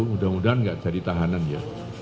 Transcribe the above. mudah mudahan tidak jadi tahanan ya